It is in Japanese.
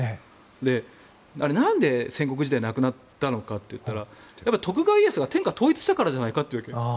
で、なんで戦国時代がなくなったのかといったら徳川家康が天下統一したからじゃないかと言うわけ。